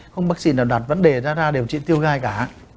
không có bác sĩ nào đặt vấn đề ra điều trị tiêu gai cả